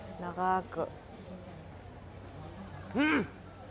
うん！